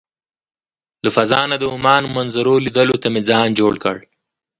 له فضا نه د عمان منظرو لیدلو ته مې ځان جوړ کړ.